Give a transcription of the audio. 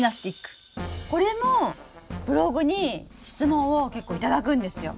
これもブログに質問を結構頂くんですよ。